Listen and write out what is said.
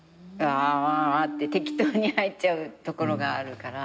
あって適当に入っちゃうところがあるから。